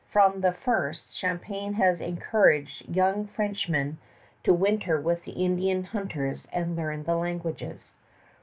From the first Champlain has encouraged young Frenchmen to winter with the Indian hunters and learn the languages.